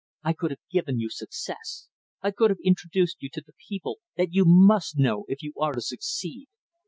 I could have given you success. I could have introduced you to the people that you must know if you are to succeed.